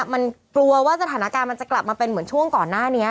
มันกลัวว่าสถานการณ์มันจะกลับมาเป็นเหมือนช่วงก่อนหน้านี้